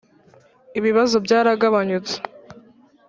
ibibazo byaragabanyutse…